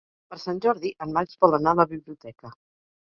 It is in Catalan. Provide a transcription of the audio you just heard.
Per Sant Jordi en Max vol anar a la biblioteca.